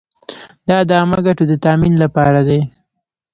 دا د عامه ګټو د تامین لپاره دی.